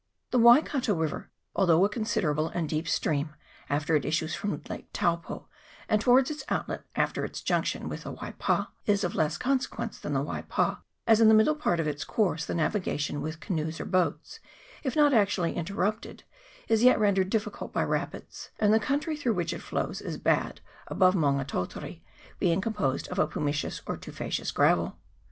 The Waikato river, although a considerable and deep stream after it issues from Lake Taupo, and towards its outlet after its junction with the Waipa, is of less consequence than the Waipa, as in the middle part of its course the navigation with canoes or boats, if not actually interrupted, is yet rendered difficult by rapids, and the country through which it flows is bad above Maunga Tautari, being composed of a pumiceous or tufaceous gravel.